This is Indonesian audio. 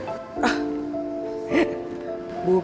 maksud tante pangeran